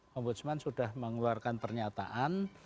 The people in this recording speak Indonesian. komputersman sudah mengeluarkan pernyataan